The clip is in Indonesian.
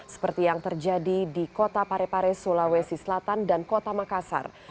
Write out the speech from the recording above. seperti yang terjadi di kota parepare sulawesi selatan dan kota makassar